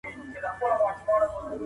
د یوې لویې ښار اداره کول جلا خبره ده.